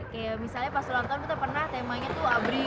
kayak misalnya pas ulang tahun kita pernah temanya tuh abri